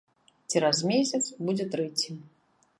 Цераз месяц будзе трэці.